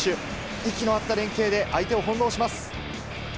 息の合った連係で相手を翻弄します。